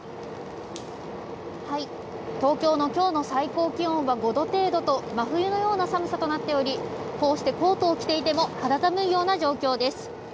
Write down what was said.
東京の今日の最高気温は５度程度と真冬のような寒さとなっており、こうしてコートを着ていても肌寒いような状況です。